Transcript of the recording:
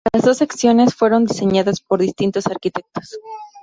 Las dos secciones fueron diseñadas por distintos arquitectos.